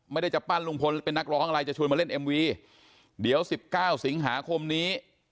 ไม่ได้จะปั้นลุงพลเป็นนักร้องอะไรจะชวนมาเล่นเอ็มวีเดี๋ยวสิบเก้าสิงหาคมนี้